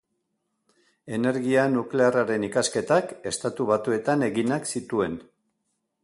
Energia nuklearraren ikasketak Estatu Batuetan eginak zituen.